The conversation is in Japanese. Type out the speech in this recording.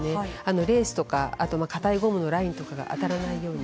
レースとか、かたいゴムのラインとかが当たらないように。